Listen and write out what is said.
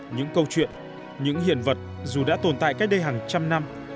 những câu chuyện những hiện vật dù đã tồn tại cách đây hàng trăm năm